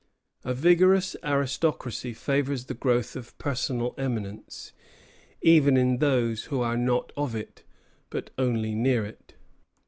A vigorous aristocracy favors the growth of personal eminence, even in those who are not of it, but only near it.